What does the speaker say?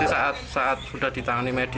berarti saat sudah ditangani medis itu ya